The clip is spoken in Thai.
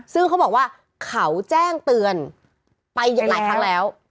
ซึ่งเขาบอกว่าเขาแจ้งเตือนไปหลายครั้งแล้ว